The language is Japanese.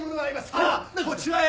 まあこちらへ！